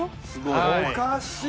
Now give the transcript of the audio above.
おかしい。